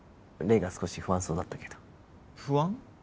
黎が少し不安そうだったけど不安？